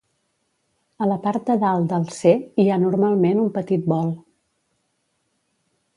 A la part de dalt del "C" hi ha normalment un petit vol.